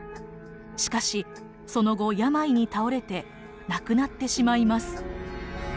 しかしその後病に倒れて亡くなってしまいます。